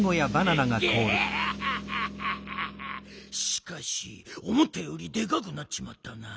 しかしおもったよりでかくなっちまったな。